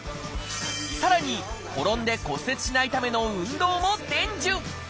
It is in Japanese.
さらに転んで骨折しないための運動も伝授。